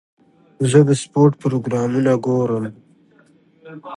زه د سپورټ پروګرامونه ګورم.